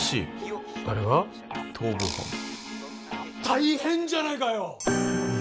大変じゃないかよ！